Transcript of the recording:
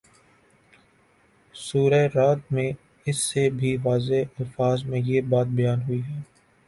سورۂ رعد میں اس سے بھی واضح الفاظ میں یہ بات بیان ہوئی ہے